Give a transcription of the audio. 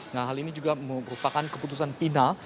nah hal ini juga merupakan keputusan final